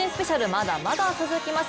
まだまだ続きます。